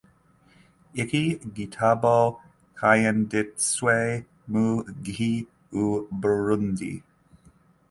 Iki gitabo cyanditswe mu gihe u Burunndi